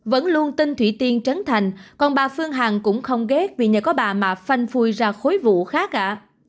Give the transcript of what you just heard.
vẫn luôn tin thủy tiên trấn thành còn bà phương hằng cũng không ghét vì nhà có bà mà phanh phui ra khối vụ khác ạ